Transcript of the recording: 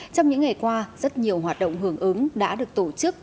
trong những ngày qua rất nhiều hoạt động hưởng ứng đã được tổ chức